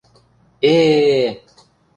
– Э-э-э!..